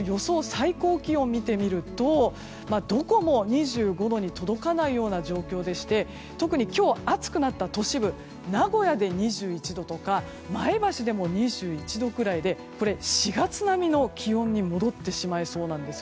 最高気温を見るとどこも２５度に届かないような状況でして特に今日暑くなった都市部名古屋で２１度とか前橋でも２１度くらいで４月並みの気温に戻ってしまいそうなんです。